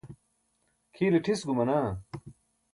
kʰiile ṭhis gumanaa